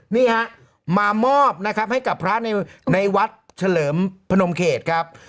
นี่ฮะมามอบนะครับให้กับพระในวัดเฉลิมพนมเขตครับ